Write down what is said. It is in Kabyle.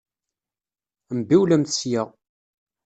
Mbiwlemt sya!